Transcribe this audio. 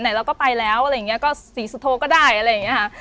เราก็ไปแล้วอะไรอย่างนี้ก็ศรีสุโธก็ได้อะไรอย่างนี้ค่ะ